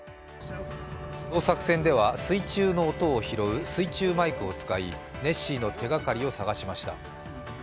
捜索船では水中の音を拾う水中マイクを使い、ネッシーの手がかりを探しました。